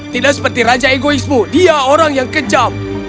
tidak seperti raja egoismu dia orang yang kejam